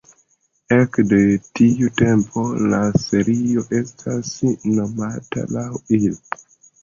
Ekde tiu tempo la serio estas nomata laŭ ili.